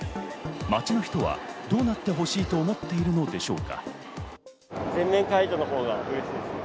街の人はどうなってほしいと思っているのでしょうか。